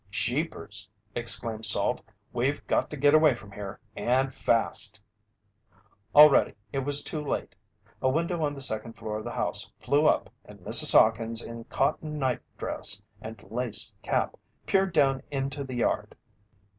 "Jeepers!" exclaimed Salt. "We've got to get away from here and fast!" Already it was too late. A window on the second floor of the house flew up and Mrs. Hawkins in cotton nightdress and lace cap, peered down into the yard.